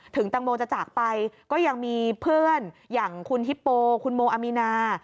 ตังโมจะจากไปก็ยังมีเพื่อนอย่างคุณฮิปโปคุณโมอามีนา